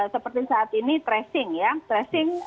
seperti saat ini tracing ya tracing